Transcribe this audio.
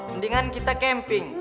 mendingan kita camping